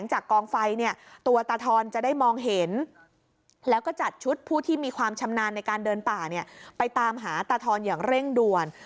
หาตาธรณ์อย่างเร่งด่วน